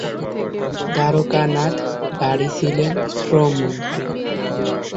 দ্বারকা নাথ ব্যারি ছিলেন শ্রম মন্ত্রী।